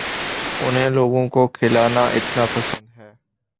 انھیں لوگوں کو کھلانا اتنا پسند ہے